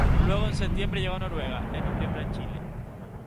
Luego en setiembre llegó a Noruega; en noviembre a Chile.